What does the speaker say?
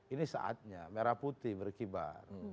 ini saatnya merah putih berkibar